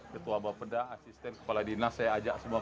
ketua bapeda asisten kepala dinas saya ajak semua